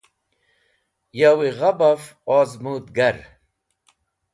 Yawi g̃ha baf ozmũdgar.